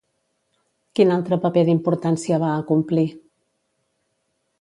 Quin altre paper d'importància va acomplir?